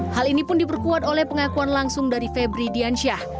hal ini pun diperkuat oleh pengakuan langsung dari febri diansyah